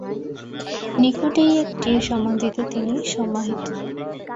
নিকটেই একটি সমাধিতে তিনি সমাহিত।